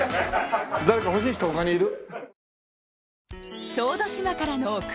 誰か欲しい人他にいる？